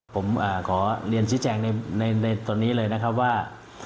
ผมขอเรียนชี้แจงในตอนนี้เลยนะครับว่า